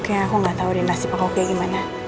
kayaknya aku gak tau rindasi pakoknya gimana